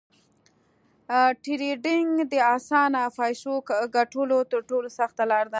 ټریډینګ د اسانه فیسو ګټلو تر ټولو سخته لار ده